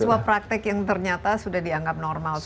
ini sebuah praktek yang ternyata sudah dianggap normal saja